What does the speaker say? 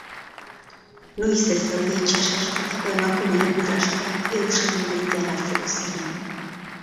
Noiz ez daude itsasertzetako emakumeak guraso bat edo seme maitea galtzeko zorian?